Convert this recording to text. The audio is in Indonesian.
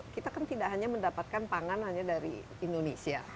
kita kan tidak hanya mendapatkan pangan hanya dari indonesia